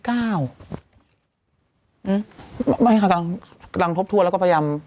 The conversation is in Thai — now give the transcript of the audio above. กำลังทบทวนแล้วก็พยายาม